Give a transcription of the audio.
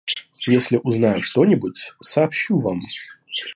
Если узнаю что-нибудь, сообщу вам.